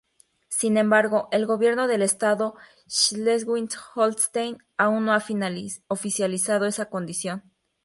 Sin embargo, el gobierno del estado de Schleswig-Holstein aún no ha oficializado esa condición.